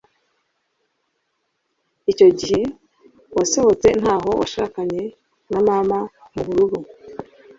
Icyo gihe wasohotse ntaho washakanye na mama mubururu.